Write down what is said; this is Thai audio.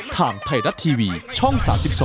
ทางไทยรัฐทีวีช่อง๓๒